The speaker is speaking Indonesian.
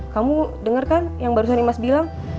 kamu denger kan yang barusan imas bilang